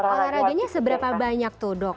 olahraganya seberapa banyak tuh dok